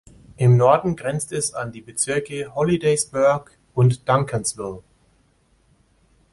Im Norden grenzt es an die Bezirke Hollidaysburg und Duncansville.